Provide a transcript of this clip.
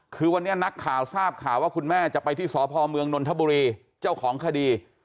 คือวันนี้นักข่าวทราบข่าวว่าคุณแม่จะไปที่สพเมืองนนทบุรีเจ้าของคดี